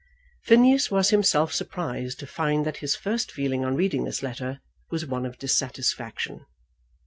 Phineas was himself surprised to find that his first feeling on reading this letter was one of dissatisfaction.